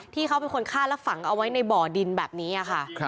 ที่เขาเป็นคนฆ่าแล้วฝังเอาไว้ในบ่อดินแบบนี้ค่ะ